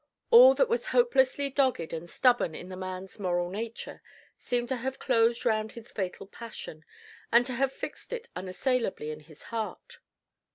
All that was hopelessly dogged and stubborn in the man's moral nature seemed to have closed round his fatal passion, and to have fixed it unassailably in his heart.